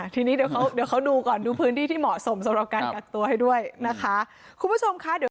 ทีนี้เดี๋ยวเขาดูก่อนดูพื้นที่ที่เหมาะสมสำหรับการกักตัวให้ด้วยนะคะ